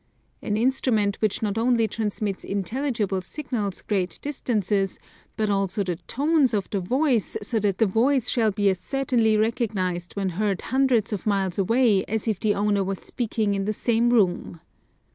An instrument which not only transmits intelligible signals great distances, but also the tones of the voice, so that the voice shall be as certainly recognized when heard hundreds of miles away as if the owner was speaking in the same room.